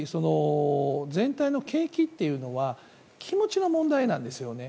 全体の景気というのは気持ちの問題なんですよね。